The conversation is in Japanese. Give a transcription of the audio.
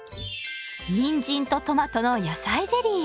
にんじんとトマトの野菜ゼリー。